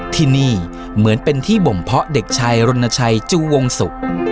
ที่นี่เหมือนเป็นที่บ่มเพาะเด็กชายรณชัยจูวงศุกร์